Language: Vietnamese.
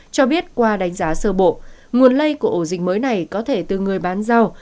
cho biết qua đánh giá sơ bộ nguồn lây của ổ dịch mới này có thể từ người bán rau